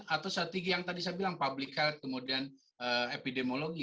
atau strategi yang tadi saya bilang publikal kemudian epidemiologi